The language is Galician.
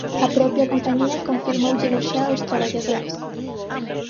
A propia compañía confirmóullelo xa aos traballadores.